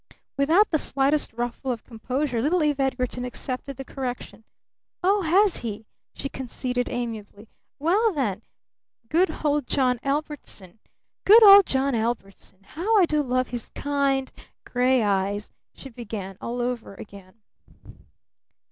Without the slightest ruffle of composure little Eve Edgarton accepted the correction. "Oh, has he?" she conceded amiably. "Well, then, good old John Ellbertson good old John Ellbertson how I do love his kind gray eyes," she began all over again.